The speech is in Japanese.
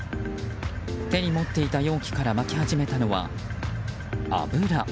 手に持っていた容器からまき始めたのは、油。